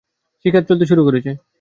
শিকার চলতে শুরু করেছে!